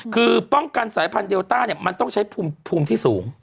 คือป้องกันสายพันธุเดลต้าเนี่ยมันต้องใช้ภูมิที่สูง